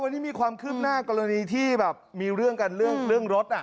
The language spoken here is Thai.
วันนี้มีความคืบหน้ากรณีที่แบบมีเรื่องกันเรื่องรถ